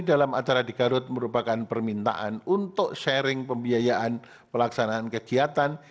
dalam acara di garut merupakan permintaan untuk sharing pembiayaan pelaksanaan kegiatan